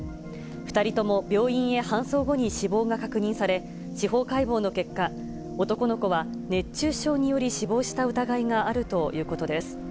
２人とも病院へ搬送後に死亡が確認され、司法解剖の結果、男の子は熱中症により死亡した疑いがあるということです。